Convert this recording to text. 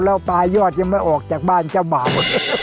แล้วปลายยอดยังไม่ออกจากบ้านเจ้าบ่าว